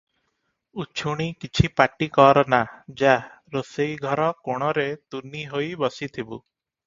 ଉଛୁଣି କିଛି ପାଟି କର ନା – ଯା, ରୋଷେଇଘର କୋଣରେ ତୁନି ହୋଇ ବସିଥିବୁ ।”